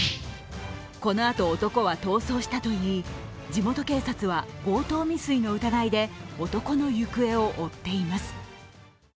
このあと、男は逃走したといい地元警察は強盗未遂の疑いで男の行方を追っています。